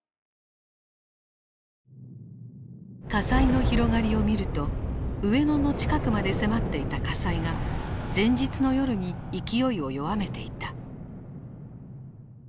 火災の広がりを見ると上野の近くまで迫っていた火災が前日の夜に勢いを弱めていた。